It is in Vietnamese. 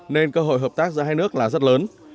nên cơ hội hợp tác giữa hai nước là rất lớn